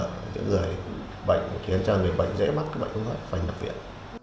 những người bệnh khiến cho người bệnh dễ mắc bệnh hô hốc phải nhập viện